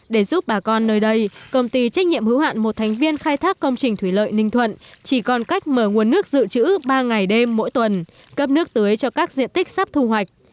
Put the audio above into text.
để giúp bà con nơi đây công ty trách nhiệm hữu hạn một thành viên khai thác công trình thủy lợi ninh thuận chỉ còn cách mở nguồn nước dự trữ ba ngày đêm mỗi tuần cấp nước tưới cho các diện tích sắp thu hoạch